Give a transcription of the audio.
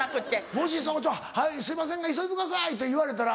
もし「すいませんが急いでください」って言われたら？